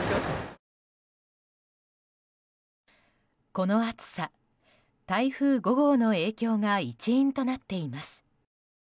この暑さ、台風５号の影響が一因となっています。